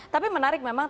tapi menarik memang